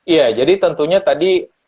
ya jadi tentunya tadi